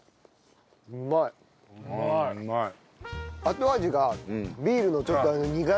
後味がビールのちょっと苦みというか。